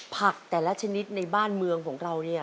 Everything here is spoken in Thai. ผักแต่ละชนิดในบ้านเมืองของเรา